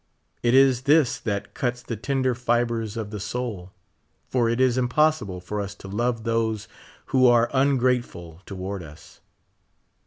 It is this that cuts the tender fibres of the soul ; for it is impossible for us to love those who are ungrateful toward us.